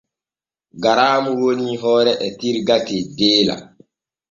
Garaamu woni hoore etirga teddella.